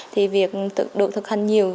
thì việc được thực hành nhiều